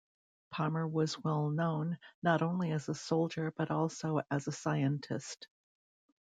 Palmer was well known not only as a soldier but also as a scientist.